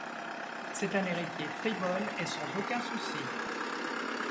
C'est un héritier frivole et sans aucun souci.